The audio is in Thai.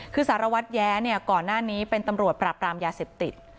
คือสารวัตรแย้เนี่ยก่อนหน้านี้เป็นตำรวจปราบรามยาเสพติด